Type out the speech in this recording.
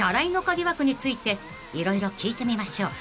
疑惑について色々聞いてみましょう］